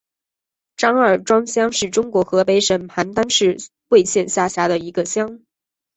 张二庄乡是中国河北省邯郸市魏县下辖的一个乡。